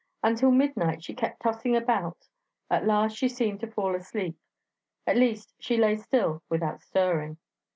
Until midnight she kept tossing about; at last she seemed to fall asleep; at least, she lay still without stirring.